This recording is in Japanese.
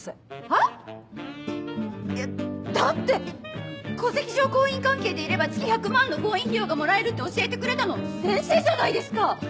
はぁ⁉いやだって戸籍上婚姻関係でいれば月１００万の婚姻費用がもらえるって教えてくれたの先生じゃないですか！